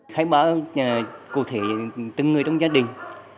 khánh báo cụ thể từng người trong gia đình